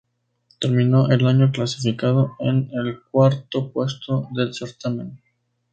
Terminó el año clasificado en el cuarto puesto del certamen.